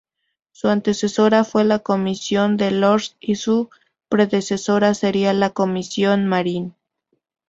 Su antecesora fue la Comisión Delors y su predecesora sería la Comisión Marín.